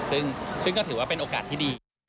ซึ่งก็ถือว่าเป็นโอกาสที่ดี